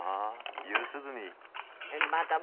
夕涼み。